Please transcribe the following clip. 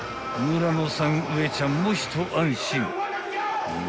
［村野さんウエちゃんも一安心］